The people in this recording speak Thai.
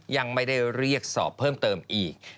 ยังไม่ได้เรียกสอบเพิ่มเติมอีก